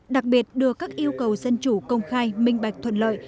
đặc biệt đưa các yêu cầu dân chủ công khai minh bạch thuận lợi